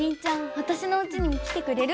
わたしのうちにも来てくれる？